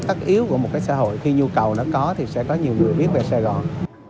tất yếu của một cái xã hội khi nhu cầu nó có thì sẽ có nhiều người biết về sài gòn